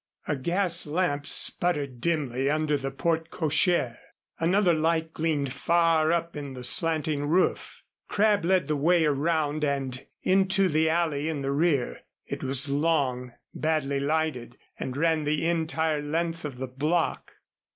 A gas lamp sputtered dimly under the porte cochère. Another light gleamed far up in the slanting roof. Crabb led the way around and into the alley in the rear. It was long, badly lighted and ran the entire length of the block.